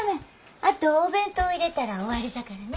あとお弁当入れたら終わりじゃからね。